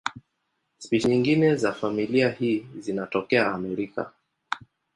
Spishi nyingine za familia hii zinatokea Amerika.